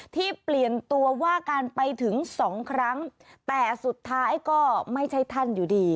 ที่เปลี่ยนตัวว่าการไปถึงสองครั้งแต่สุดท้ายก็ไม่ใช่ท่านอยู่ดี